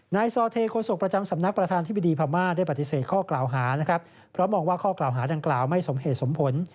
ซอเทโฆษกประจำสำนักประธานธิบดีพม่าได้ปฏิเสธข้อกล่าวหานะครับเพราะมองว่าข้อกล่าวหาดังกล่าวไม่สมเหตุสมผล